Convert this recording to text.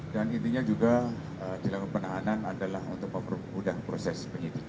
dan intinya juga dilakukan penahanan adalah untuk memudah proses penyidik